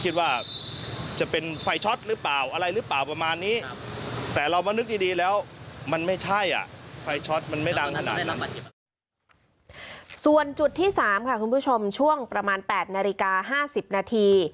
ส่วนจุดที่๓ค่ะคุณผู้ชมช่วงประมาณ๘นาฬิกา๕๐นาที